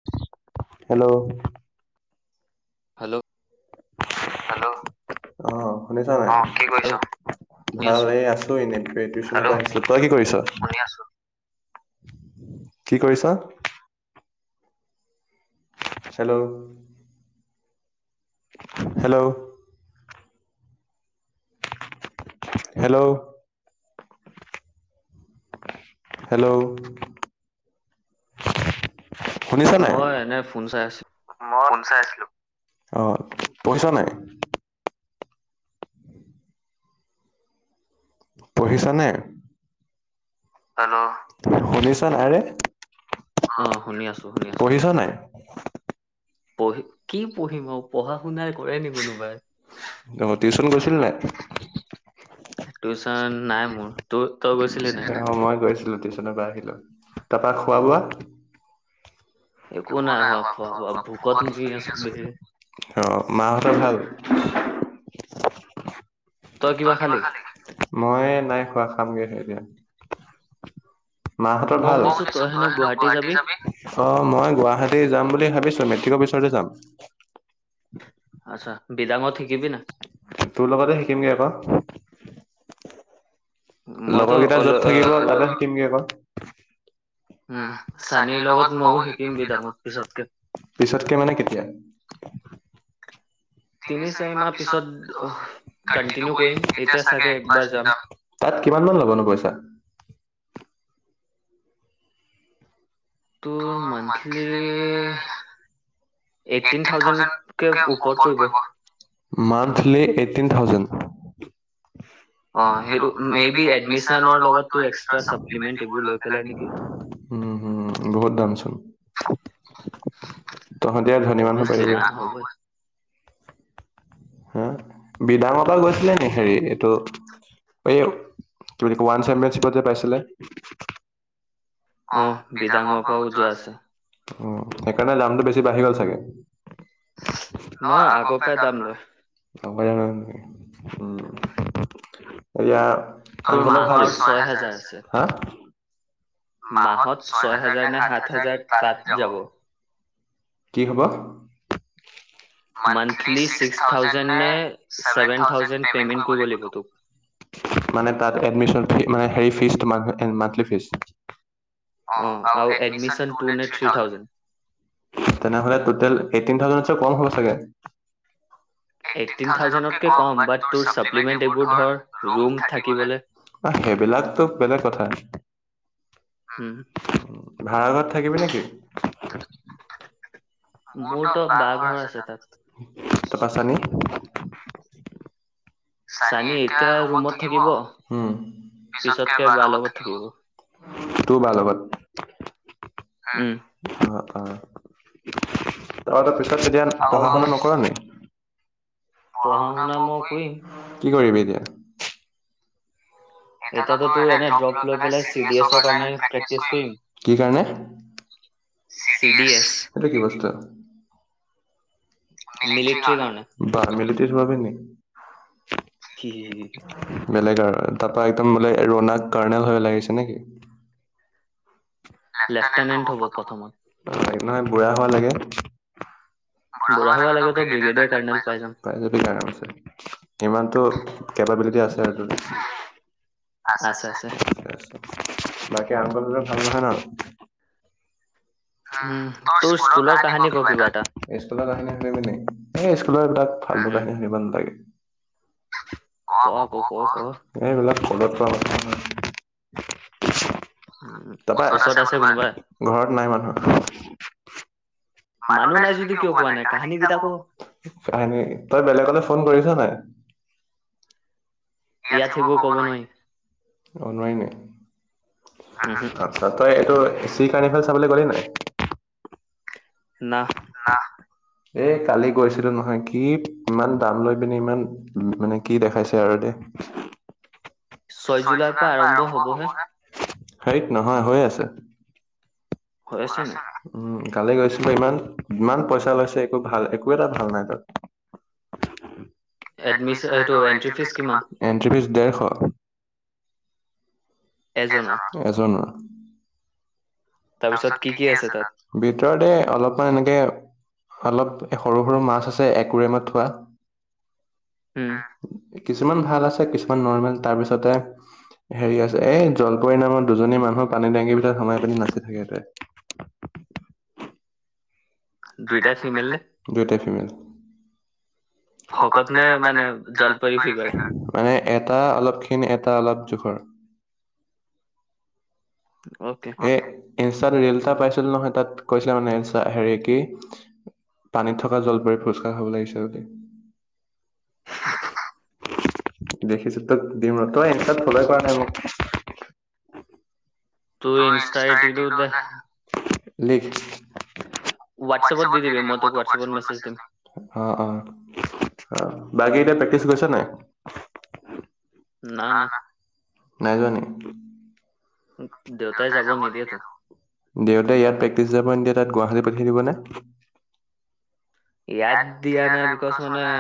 [inaudible] Hello. Hello. Hello অ শুনিছ নাই? অ কি কৰিছ? হেল্ল' শুনি ভাল আছো এই আছ তই [unintelligible] শুনি আছো। কি কৰিছ? হেল্ল'। হেল্ল'। হেল্ল'। হেল্ল'। শুনিছা নাই? মই এনে ফোন চাই আছো মই ফোন চাই আছিলোঁ। অ পঢ়িছ নাই? পঢ়িছনে? হেল্ল শুনিছ ন আৰে। অ শুনি আছো শুনি আছো। পঢ়ি কি পঢ়িম আৰু পঢ়া শুনা কৰে নি কোনোবাই। অ টিউচন গৈছিলি নে নাই? টিউচন নাই মোৰ। তোৰ তই গৈছিলি নে নাই? অ মই গৈছিলো টিউচন। তাৰপা আহিলোঁ। তাৰাপা খোৱা বোৱা? একো নাই হোৱা খোৱা বোৱা, ভূকত মৰি আছো বে। অ মাহঁতৰ ভাল? তই কিবা খালি? মই নাই খোৱা খামগে এইপিনে। মাহঁতৰ ভাল? মই শুনিছো তই হেনো গুৱাহাটী যাবি। অ মই গুৱাহাটী যাম বুলি ভাবিছো মেট্ৰিকৰ পিছতে যাম। আচ্ছা বিদাংত শিকিবি না। তোৰ লগতে শিকিমগে আকৌ। মইতো লগৰ কেইটা অল য'ত থাকিব আহ, তোৰ তাতে থাকিমগে আকৌ। আ চানীৰ লগত ময়ো শিকিম বিদাংত পিচতকে। পিছতকে মানে কেতিয়া? তিনি চাৰিমাহ পিছত অ কণ্টিনিও কন্টিনিউ কৰিম, তেতিয়া এতিয়া চাগে একবাৰ যাম [unintelligible] তাত কিমান মান ল'বনো পইচা? তোৰ মান্থলী এইটিন থাউজেণ্ডকে ওপৰত পৰিব। Monthly eighteen thousand? অ সেইটো মে বি এডমিশনৰ লগত এক্সটা চাপ্লিমেন্ট এইবোৰ লৈ পেলাই নেকি? উম হম বহুত দামচোন। তহঁতি আৰু ধনী মানুহ অভিয়াচলি পাৰিবি। না নহবই হা বিদাঙতাত গৈছিলে নি হেৰি এইটো এ তু ৱান চেম্পিয়নশ্বিপত যে পাইছিলে। অ বিদাঙৰ পৰাও যোৱা আছিল। উ সেইকাৰণে দামটো বেছি বাঢ়ি গল চাগে। নহয় নহয় আগৰ আগৰপৰাই পৰাই তাত দাম লয়। আগৰপৰাই লয় নেকি, উম এইয়া আংকলৰ ভাল? ছয় হাজাৰ আছে হা মাহত ছয় হাজাৰ নে সাত হাজাৰ তাত যাব। কি হব? মান্থলি ছিক্স থাউজেণ্ড নে চেভন থাউজেণ্ড পেমেণ্ট কৰিব লাগিব তোক। মানে তাত এডমিছন ফি মানে হেৰি ফিজ [unintelligible] মান্থলি ফিজ। অ আৰু এডমিশ্যন টু নে থ্ৰি থাউজেণ্ড। তেনেহ'লে টোটেল এইটটিন থাউজেণ্ডতচে কম হ'ব চাগে। থাউজেণ্ডকে কম বাত তোৰ চাপ্লিমেন্ট এইবোৰ ধৰ ৰুম থাকিবলে এ সেইবিলাকতো বেলেগ কথা, উ উম উম। ভাড়া ঘৰত থাকিবি নেকি? [unintelligible] মোৰতো বাৰ ঘৰ আছে তাত, তাত আছেনী? চানী এতিয়া ৰুমত থাকিব, পিছতকে বাৰ লগত থাকিব। তোৰ বাৰ লগত? হ অ উম অ তহঁতৰ পিছত এতিয়া পঢ়া শুনা আৰু ক নকৰ নেকি? পঢ়া শুনা মই কৰিম। কি কৰিবি এতিয়া? এতিয়াতো তোৰ এনে ড্ৰপ লৈ পেলাই চি ডি এছৰ কাৰণে প্ৰেক্টিচ কৰিম। C D S. এইটো কি বস্তু? মিলিটেৰী মিলিট্ৰীৰ কাৰণে কাৰনে। বা মিলিটাৰীত সোমাবি নেকি? হি হি হি হি। বেলেগ আৰু, তাৰপা একদম বোলে ৰনাক কাৰ্ণেল হৈ ওলাই আহিছে নেকি? লেফটেনেণ্ট হব প্ৰথমত অ নহয় বুঢ়া হোৱা লৈকে? বুঢ়া বুঢ়া হব হোবাৰ আগতো লাগেতো ব্ৰিগেডিয়াৰ কাৰ্নেল কাৰ্ণেল পাই যাম। পাই যাবি আৰামচে। ইমানটো কেপাবিলিটি আছে তোৰ। আছে আছে থিকে আছে। বাকী আংকল হতৰ ভাল নহয় ন? অহ তই স্কুলৰ কাহানী ক কিবা এটা। স্কুলৰ কাহিনী শুনিবি নেকি? এই স্কুলৰ তাত ফাল্টো উম কাহিনী শুনিব নালাগে। ক আক ক ক। এ এইবিলাক [unintelligible] তাৰপা ওচৰত আছে কোনোবা? ঘৰত নাই মানুহ। মানুহ নাই যদি কিয় কোৱা নাই কাহিনী কিটা ক। কাহানী তই বেলেগলে ফোন কৰিছ নাই? ইয়াত সেইবোৰ ক'ব নোৱাৰি। অ নোৱাৰি নি? উহু আচ্ছা তই এইটো চি কাৰ্ণেফেল চাবলৈ গলি নে নাই? না। না। এই কালি গৈছিলো নহয়, কি ইমান দাম লৈ পিনে ইমান উম মানে, কি দেখাইছে আৰু দে। ছয় জুলাইৰ পৰা আৰম্ভ হ'ব হে। ধেইত নহয়, হৈ আছে। হৈ আছে ন [unintelligible] উম। কালি গৈছিলো ইমান, ইমান পইচা লৈছে একো ভাল একো এটা ভাল নাই তাত। এডমিশ্যচনৰ এইটো এণ্ট্ৰি ফিজ কিমান? এণ্ট্ৰি ফিজ ডেৰশ। এজনৰ কেইজনৰ? এজনৰ। তাৰপিছত কি কি আছে তাত? ভিতৰতে অলপমান এনেকে- অলপ সৰু সৰু মাছ আছে একোৰেমত থোৱা। উম। কিছুমান ভাল আছে, কিছুমান নৰ্মেল। তাৰ পিছতে- হেৰি আছে, এই জলপৰী নামত দুজনী মানুহক পানী টেংকিৰ ভিতৰত সোমাই পিনি নাচি থাকে তাত। দুইটাই ফিমেল নে? দুইটাই ফিমেল। শকত নে মানে জলপৰী ফিগাৰ? মানে এটা অলপ ক্ষীণ, এটা অলপ জোখৰ। অকে। এ ইনষ্টাত ৰিল এটা পাইছিলো নহয়, তাত কৈছিলে মানে ইনষ্টা হেৰি কি- পানীত থকা জলপৰীৰ পুৰস্কাৰ হ'ব লাগিছিল তে। [unintelligible] দেখিছো, তোক দিম ৰ। তই ইনষ্টাত ফ'লোই কৰা নাই মোক। তই ইনষ্টা খিলিটো দে। লিখ- হোৱাটছএপত দি দিবি। মই তোক হোৱাটছএপত মেছেজ দিম। অঁ, অঁ, অঁ, বাকী এতিয়া প্ৰেক্টিচ কৰিছ নাই? না, না। নাই যোৱা নি? দেউতাই যাব নিদিয়ে তো। দেউতাই ইয়াত প্ৰেক্টিছ যাব নিদিয়ে, তাত গুৱাহাটীত পঠিয়াই দিব নে? ইয়াত দিয়া নাই বিকজ মানে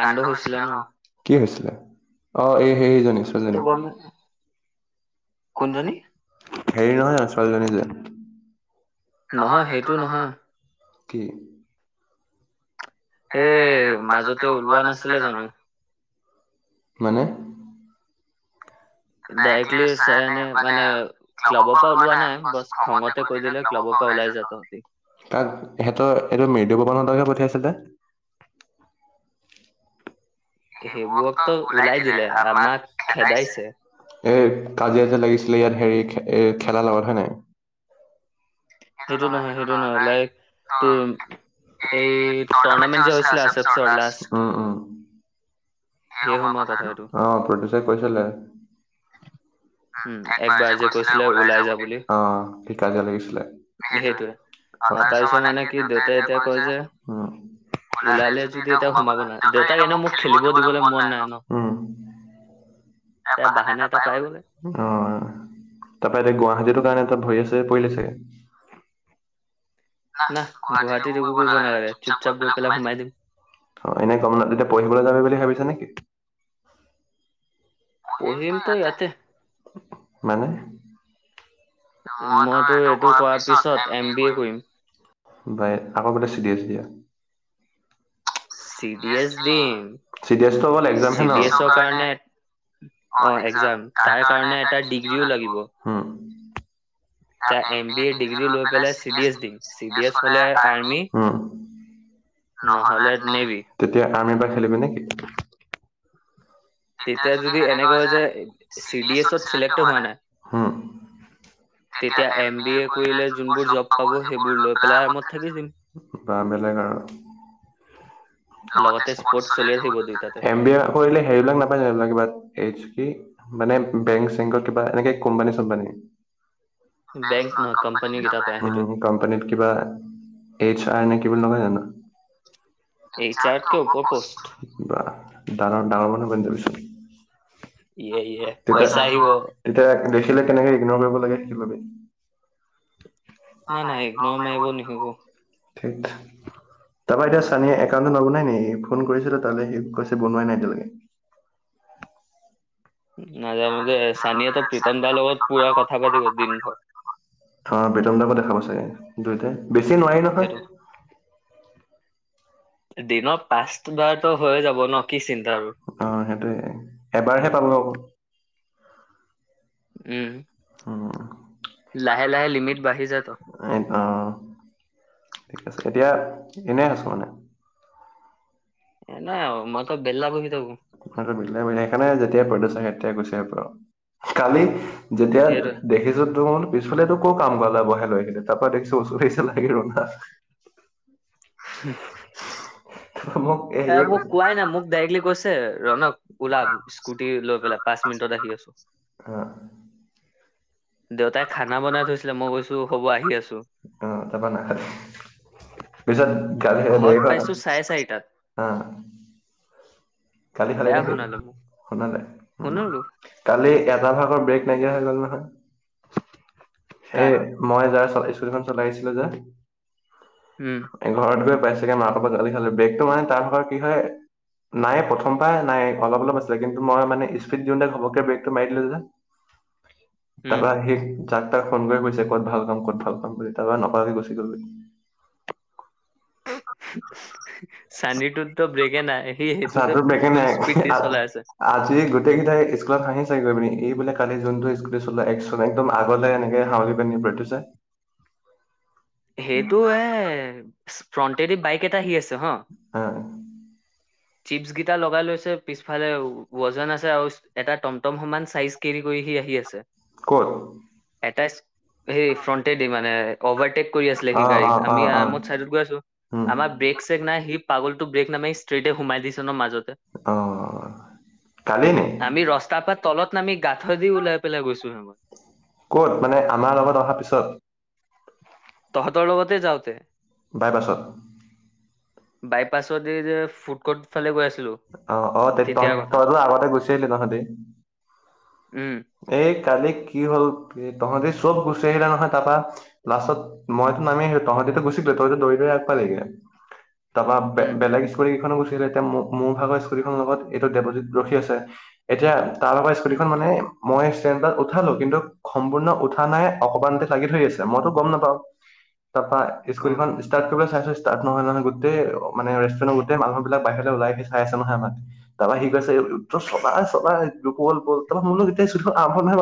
কান্দ হৈছিলে ন। কি হৈছিলে? অঁ, এই সেইজনী ত ছোৱালীজনী। গম কোনজনী? হেৰি নহয় জানো ছোৱালীজনী যে? নহয়, সেইটো নহয়। কি? এ মাজতে ওলোৱা নাছিলে জানো? মানে? ডাইৰেক্টলি ছাৰে নে মানে ক্লাবৰ পৰা ওলোৱা নাই। বছ খঙতে কৈ দিলে ক্লাবৰ পৰা ওলাই যোৱা- তহঁতি। তাক, সিহঁতৰ এইটো মৃদু, পৱনহঁতকহে পঠিয়াইছিলে। গেমু হঁতক ওলাই দিলে, আমাক খেদাইছে। এই কাজিয়া যে লাগিছিলে ইয়াত হেৰি খে এই খেলাৰ লগত, হয় নাই? সেইটো নহয়, সেইটো নহয়। লাইক তোৰ- এই টুৰ্ণামেণ্ট যে হৈছিলে আছেপছৰ লাষ্ট! সেই সময়ৰ কথা এইটো। অঁ, প্ৰটুছে কৈছিলে। একবাৰে যে কৈছিলে ওলাই যা বুলি। অঁ, সি কাজিয়া লাগিছিলে। সেইটোৱে। অঁ, তাৰপিছত মানে কি দেউতাই এতিয়া কয় যে- ওলালে যদি এতিয়া সোমাব নোৱাৰে। দেউতাই এনেও মোক খেলিব দিবলৈ মন নাই ন। এয়া বাহানা এটা পাই গ'ল। অঁ, তাৰপা এতিয়া গুৱাহাটীটোৰ কাৰণে তাত ভৰিয়ে -ছৰিয়ে পৰিলে ছাগে। না, গুৱাহাটীত একো কৰিব নালাগে। চুপ- চাপ গৈ পেলাই সোমাই দিম। অঁ, এনেই গম না তেতিয়া পঢ়িবলৈ যাবি বুলি ভাবিছা নেকি? পঢ়িম তো ইয়াতে। মানে? মইতো এইটো কৰাৰ পিছত এম বি এ কৰিম। বাই আকৌ বোলে চিৰিয়েছ দিয়া। চি ডি এছ চিৰিয়াচটো দিম। হ'ল। চিৰিয়াচ টো অকল এক্সাম চি হে ন। ডি এছৰ চিৰিয়াচৰ কাৰণে- অঁ, এক্সাম। তাৰ কাৰণে এটা ডিগ্ৰীও লাগিব। উম। এ এম বি এ ডিগ্ৰী লৈ পেলাই চি এ চি এচ খনে তাইমি- নহলে নহলে মেইল। নেভি তেতিয়া আৰ্মি পৰা খেলিবি নেকি? তেতিয়া যদি এনে কৈ যে চি এছত চিলেক্ট হোৱা নাই? তেতিয়া এম বি এ কৰিলে যোনবোৰ জব পাব সেইবোৰ লৈ পেলাই [unintelligible] বা বেলেগ আৰু। লগতে স্পৰ্ট স্পটছ। চলি থাকিব দুইটাতে [unintelligible] এম বি এ কৰিলে হেইৰিবিলাক নাপায় না কিব এই কি? মানে বেংক- চেংকৰ কিবা এনেকে কোম্পানী- চোম্পানী? বেংকচ নহয়, কোম্পানী কেইটাত পায়। উম, কোম্পানীত- কিবা এইচ আৰ নে কি বুলি নকয় জানো? এইচ আৰ টো আৰতকে ওখ ওপৰ পষ্ট পোষ্ট। বাহ! ডাঙৰ ডাঙৰ মানুহ বনি যাবি চোন। ইয়ে- ইয়ে, তেতিয়া পইছা আহিব। তেতিয়া দেখিলে কেনেকে ইগনৰ কৰিব লাগে সেইবাবে। না না একদম আহিব নিশিকো তাৰাপা এতিয়া সঞ্চয়- কাৰণে নবনাই নে? ফোন কৰিছিলো তালে, সি কৈছে বনাই নাই এতিয়ালকে। নাজানো দে। চানীয়ে তো প্ৰীতম দাৰ লগত পুৰা কথা পাতিব দিন ভৰ। অঁ, প্ৰিতমডাকো দেখাব চাগে দুইটাই। বেছি নোৱাৰি সেইটো নহয়। দিনত অঁ, সেইটোয়ে। পাঁচবাৰতো হৈ যাব ন কি চিন্তা আৰু এবাৰ হে পাব আক। উম, উম, লাহে লাহে লিমিট বাঢ়ি যায় তো। এ অঁ, এতিয়া এনেই আছ মানে? এনে, মইতো বেলা বহি থাকো। মিলাই মিলে সেইকাৰণে যেতিয়াই প্ৰ্যচন তেতিয়াই গুছে পাওঁ। কালি - যেতিয়া সেইটোৱে দেখিছো তোৰ - পিছফালেতো ক কাম কৰা ল'ৰা বহাই লৈ আহিলে তাৰপা দেখিছো ওচৰলৈ আহি চালা ৰঙা। মোক- এই এ হেৰিয়ে মোক কৈছে কোৱ নাই। মোক ডাইৰেক্টলি কৈছে- ছে ৰণক ওলা স্কুটি লৈ পেলাই পাঁচ মিনিটত আহি আছোঁ। অঁ। দেউতাই খানা বনাই থৈছিলে। মই কৈছো হ'ব আহি আছোঁ। অঁ, তাৰপা নাখালে। পিছত গালি খায় ঘৰত দেৰি পাইছো চাৰে চাৰিটাত হ'ল। কালি খালে বেয়া নেকি? শুনালে মোক শুনা নাই। উম। শুনিলো কালি এটা ভাগৰ ব্ৰেক নাইকিয়া হৈ গ'ল নহয়। সেই কাৰ মই যাৰ স্কুটিখন চলাইছিলো যে। উম। এ ঘৰত গৈ পাইছেগে, মাকৰ পৰা গালি খালে। ব্ৰেগটো মানে তাৰ ভাগৰ কি হয়! নাই প্ৰথম পৰাই নাই, অলপ অলপ আছিলে। কিন্তু মই মানে স্পীড দিওঁতে ঘপককে ব্ৰেকটো মাৰি দিলো যে। [inaudible] উম তাৰপৰা সি যাক তাক ফোন কৰি কৈছে, ক'ত ভাল পাম, ক'ত ভাল পাম বুলি। তাৰপৰা নকৰাকে গুচি গ'ল। [unintelligible] চানিৰ টোতো ব্ৰেকে নাই। সি সেইটোতে চাহটোৰ ব্ৰেকে নাই ফুল স্পীড দি চলাই আছে। আজি গোটেইকেইতাই স্কুলত হাঁহিছে গৈ পিনি, এই বোলে কালি যোনটো স্কুটি চলাই একচন একদম আগলে এনেকে হাউ- প্ৰতিতি চাই [unintelligible] সেইটো এ ফ্ৰণ্টেদি বাইক এটা আহি আছে হ। [inaudible] চিপছগীটা লগাই লৈছে পিছফালে ৱজন আছে আৰু এটা টমটম সমান চাইজ কেৰি কৰি হি আহি আছে। কত? এটাচ সেই ফ্ৰনটেদি মানে অভাৰটেক কৰি আছিলে সি অ', গাড়ীত, অ', আমি অ', অ', আৰামত চাইডত গৈ আছো, উম, আমাৰ ব্ৰেক চ তেক নাই সি পাগলটো ব্ৰেক নামাৰি ষ্ট্ৰেইটে সোমাই দিছে ন মাজতে। অ কালি নে? আমি ৰস্তাৰ পৰা তলত নামি গাঠৈ দি ওলাই পেলাই গৈছো হে মই। ক'ত মানে আমাৰ লগত অহাৰ পিছত। তহতৰ লগতে যাওঁতে। বাইপাছত। বাইপাছ দি যে ফুড কৰ্ট ফালে গৈ আছিলো। অ অ তই ত তেতিয়াৰ কথা তইতো আগতে গুচি আহিলি তহঁতি। উম এই কালি কি হ'ল কি তহঁতি চব গুচি আহিলি নহয় তাৰপা। লাষ্টত মইতো নামি আহিলো, তহঁতিটো গুছি গলি তহতিটো দৌৰি দৌৰি আগ পালিগে। তাৰপা বে - উম বেলেগ স্কোটিকেইখনো গুছি আহিলে এতিয়া মও মোৰ ভাগৰ স্কুটি খনৰ লগত এইটো ডেপজিট ৰখি আছে এতিয়া তাৰ ভাগৰ উম স্কুটিখন মানে মই ষ্টেণ্ডদাল উঠালো কিন্তু সম্পূৰ্ণ উঠা নাই অকমানতে লাগি ধৰি আছে মইতো গম নাপাও। তৰপা অ স্কুটিখন ষ্টাৰ্ট কৰিবলৈ চাই আছোঁ ষ্টাৰট নহয় নহয়, গোটেই মানে ৰেষ্টৰেণ্টৰ গোটেই মানুবিলাক বাহিৰলৈ ওলাই আহিচ চাই আছে নহয় আমাক। তাৰপা সি কৈছে উ তই চবাই চবাই তো বোল বোল তাৰপা মই বোলো কেতিয়া স্কুটিখন আৰম্ভ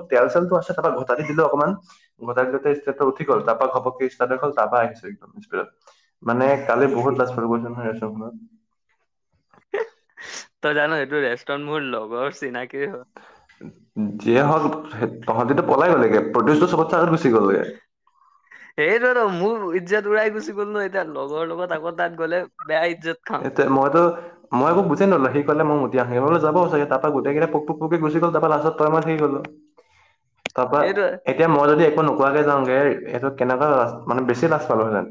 [unintelligible] তেল চেলটো আছে তৰপা ঘটাতি দিলো অকণমান, ঘটাই দিলোতে ষ্টেটটো উঠি উম গল তাৰপা ঘপককে [unintelligible] যাবা আহিছে একদম স্পিডত মানে কালি বহুত লাজ পালোঁ বুজিছ নহয় ৰেষ্টোৰেণ্টত। তই জান এইটো ৰেষ্টুৰণ্ট মোৰ লগৰ চিনাকিৰে হয়। যিয়ে হওক [unintelligible] তাহঁতিটো পলাই গ'লিগে প্ৰদিউচটো চবতচে আগত গুচি গ'লগে। [inaudible] সেইটোৱেতো মোৰ ইজ্জাত উৰাই গুচি গ'ল ন এতিয়া লগৰ লগত আকৌ তাত গ'লে বেয়া ইজ্জাত এতিয়া মইতো মই একো বুজি নলো, সি কলে মই মতি আহো মই বোলো যাব চাগে তাৰপা গোটেই কেইটাই পোক পোক কৈ গুছি গল তাৰ পৰা লাষ্টত তই মই থাকি গলো। তাৰপা সেইটোৱে এ এতিয়া মই যদি একো নোকোৱাকে যাওঁগে এইটো কেনেকুৱা লাজ মানে বেছি লাজ পালোহেতেন।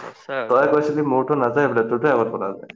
সঁচা বে তই কৈছিলি মোৰটো নাযায় বোলে তোৰতো এ আগত ফটালে।